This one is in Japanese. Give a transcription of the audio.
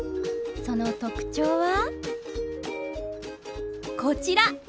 その特徴はこちら！